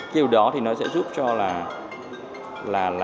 khi đó thì nó sẽ giúp cho là